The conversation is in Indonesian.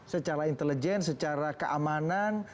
secara intelijen secara keamanan